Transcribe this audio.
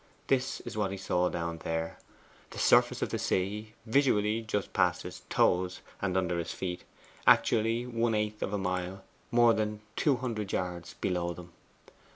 This is what he saw down there: the surface of the sea visually just past his toes, and under his feet; actually one eighth of a mile, or more than two hundred yards, below them.